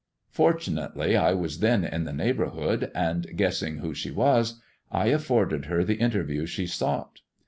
Fortunately, I was then in the neighbourhood, and, guessing who she was, I afforded her the interview she sought.